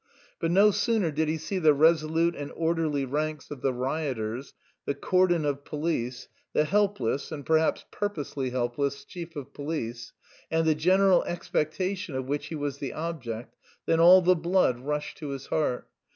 But no sooner did he see the resolute and orderly ranks of "the rioters," the cordon of police, the helpless (and perhaps purposely helpless) chief of police, and the general expectation of which he was the object, than all the blood rushed to his heart.